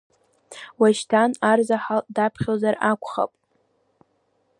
Уашьҭан арзаҳал даԥхьозар акәхап.